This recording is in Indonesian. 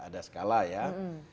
ada skala yang berbeda